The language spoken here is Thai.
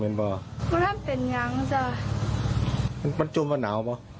หรือสิ่งใดก็ก็รู้